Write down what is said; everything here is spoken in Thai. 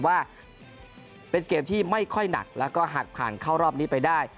ว่าเป็นเกมที่ไม่ค่อยหนักแล้วก็หากผ่านเข้ารอบนี้ไปได้